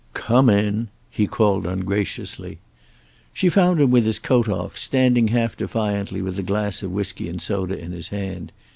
"Come in," he called ungraciously. She found him with his coat off, standing half defiantly with a glass of whisky and soda in his hand.